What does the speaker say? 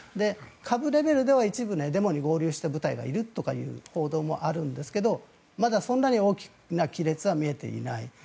下部レベルでは一部デモに合流した部隊がいるという報道もあるんですがまだそんなに大きな亀裂は見れていない。